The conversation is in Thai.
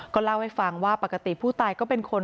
ก็เล่าให้ฟังว่าปกติผู้ตายก็เป็นคน